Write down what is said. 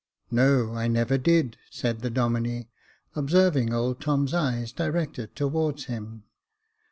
" "No, I never did," said the Domine, observing old Tom's eyes directed toward him.